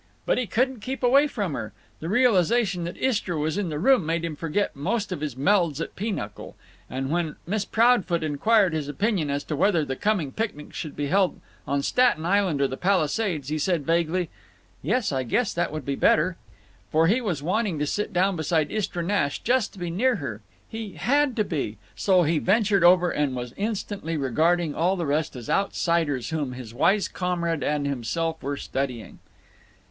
But he couldn't keep away from her. The realization that Istra was in the room made him forget most of his melds at pinochle; and when Miss Proudfoot inquired his opinion as to whether the coming picnic should be held on Staten island or the Palisades he said, vaguely, "Yes, I guess that would be better." For he was wanting to sit down beside Istra Nash, just be near her; he had to be! So he ventured over and was instantly regarding all the rest as outsiders whom his wise comrade and himself were studying.